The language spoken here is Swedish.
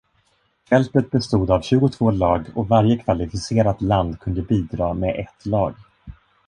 Fältet bestod av tjugotvå lag och varje kvalificerat land kunde bidra med ett lag.